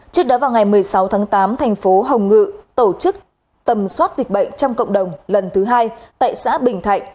trước đó vào ngày một mươi sáu tháng tám thành phố hồng ngự tổ chức tầm soát dịch bệnh trong cộng đồng lần thứ hai tại xã bình thạnh